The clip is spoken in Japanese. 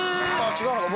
違うのか。